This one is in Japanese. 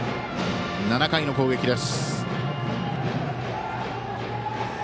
７回の攻撃です。